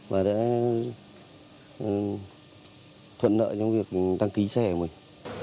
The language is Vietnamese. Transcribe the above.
và đã thuận lợi trong việc đăng ký xe của mình